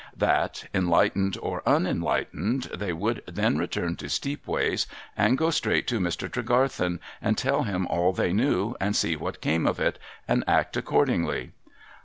That, enlightened or unenlightened, they should then return to Stcepwajs and go straight to Mr. Tre garthen, and tell him all they knew, and see what came of it, and act accordingly.